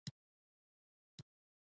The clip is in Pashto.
هره ورځ دې له کبله لانجه وي.